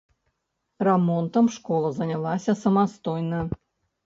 Рамонтам школа занялася самастойна.